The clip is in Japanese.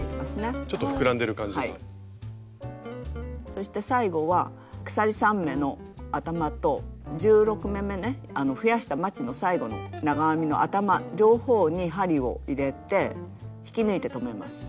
そして最後は鎖３目の頭と１６目めね増やしたまちの最後の長編みの頭両方に針を入れて引き抜いて止めます。